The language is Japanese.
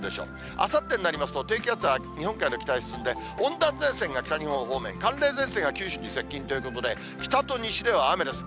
あさってになりますと、低気圧は日本海の北へ進んで、温暖前線が北日本方面、寒冷前線が九州に接近ということで、北と西では雨です。